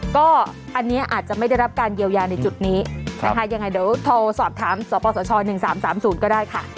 ก็อันนี้อาจจะไม่ได้รับการเยียวยาในจุดนี้นะคะยังไงเดี๋ยวโทรสอบถามสปสช๑๓๓๐ก็ได้ค่ะ